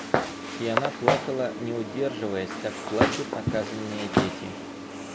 И она плакала, не удерживаясь, как плачут наказанные дети.